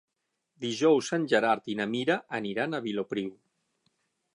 Dijous en Gerard i na Mira aniran a Vilopriu.